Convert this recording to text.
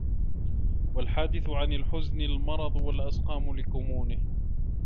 وَالْحَادِثُ عَنْ الْحُزْنِ الْمَرَضَ وَالْأَسْقَامَ لِكُمُونِهِ